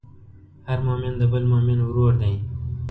هر مؤمن د بل مؤمن ورور دی.